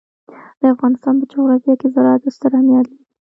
د افغانستان په جغرافیه کې زراعت ستر اهمیت لري.